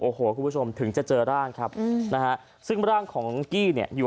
โอ้โหคุณผู้ชมถึงจะเจอร่างครับนะฮะซึ่งร่างของกี้เนี่ยอยู่